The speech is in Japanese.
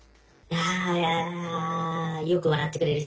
「あよく笑ってくれる人？」。